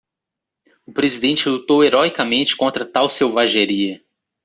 O presidente lutou heroicamente contra tal selvageria.